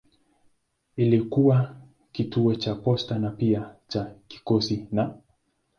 Ilikuwa kituo cha posta na pia cha kikosi na.